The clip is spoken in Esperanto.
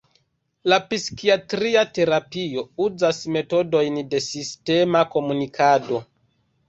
La psikiatria terapio uzas metodojn de sistema komunikado.